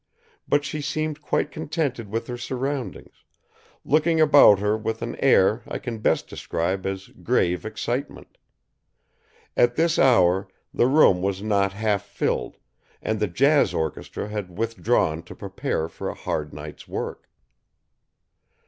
But she seemed quite contented with her surroundings, looking about her with an air I can best describe as grave excitement. At this hour, the room was not half filled, and the jazz orchestra had withdrawn to prepare for a hard night's work.